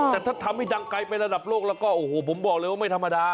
แต่ถ้าทำให้ดังไกลไประดับโลกแล้วก็โอ้โหผมบอกเลยว่าไม่ธรรมดา